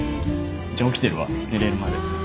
じゃあ起きてるわ寝れるまで。